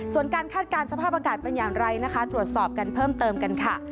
ส่วนการคาดการณ์สภาพอากาศเป็นอย่างไรนะคะตรวจสอบกันเพิ่มเติมกันค่ะ